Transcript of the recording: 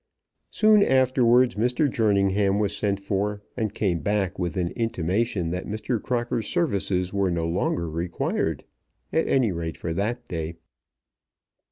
Soon afterwards Mr. Jerningham was sent for, and came back with an intimation that Mr. Crocker's services were no longer required, at any rate for that day.